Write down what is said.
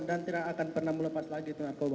dan tidak akan pernah melepas lagi itu narkoba